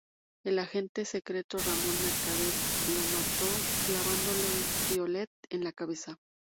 El agente secreto Ramón Mercader lo mató clavándole un piolet en la cabeza.